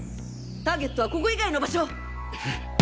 ターゲットはここ以外の場所！